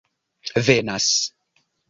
venas